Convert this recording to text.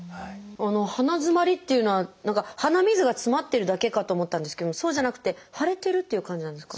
鼻づまりっていうのは何か鼻水がつまってるだけかと思ったんですけどもそうじゃなくて腫れてるっていう感じなんですか？